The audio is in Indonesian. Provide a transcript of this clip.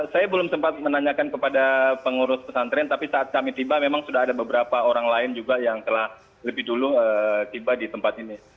saya belum sempat menanyakan kepada pengurus pesantren tapi saat kami tiba memang sudah ada beberapa orang lain juga yang telah lebih dulu tiba di tempat ini